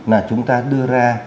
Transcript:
là chúng ta đưa ra